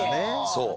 そう。